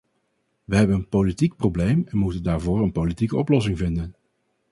We hebben een politiek probleem en moeten daarvoor een politiek oplossing vinden.